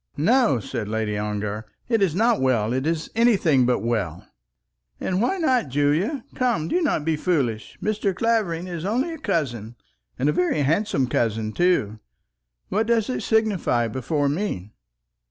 "No," said Lady Ongar, "it is not well. It is anything but well." "And why not well, Julie? Come, do not be foolish. Mr. Clavering is only a cousin, and a very handsome cousin, too. What does it signify before me?"